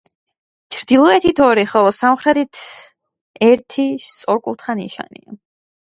ჩრდილოეთით ორი, ხოლო სამხრეთით, ერთი სწორკუთხა ნიშია.